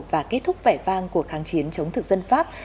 và kết thúc vẻ vang của kháng chiến chống thực dân pháp